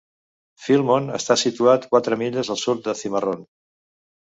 Philmont està situat quatre milles al sud de Cimarron.